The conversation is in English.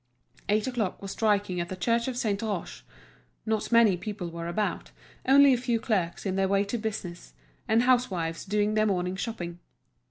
Eight o'clock was striking at the church of Saint Roch; not many people were about, only a few clerks on their way to business, and housewives doing their morning shopping.